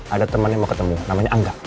ada temennya mau ketemu namanya angga